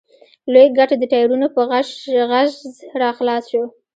لوی ګټ د ټايرونو په غژس راخلاص شو.